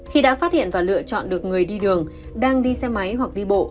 khi đã phát hiện và lựa chọn được người đi đường đang đi xe máy hoặc đi bộ